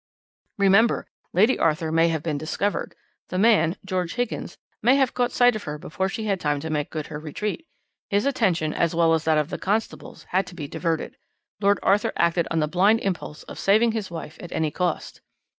"Remember, Lady Arthur may have been discovered; the man, George Higgins, may have caught sight of her before she had time to make good her retreat. His attention, as well us that of the constables, had to be diverted. Lord Arthur acted on the blind impulse of saving his wife at any cost."